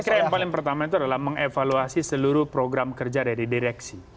saya kira yang paling pertama itu adalah mengevaluasi seluruh program kerja dari direksi